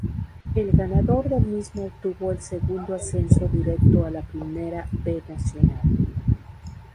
El ganador del mismo obtuvo el segundo ascenso directo a la Primera B Nacional.